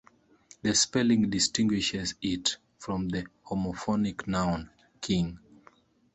The spelling distinguishes it from the homophonic noun "king".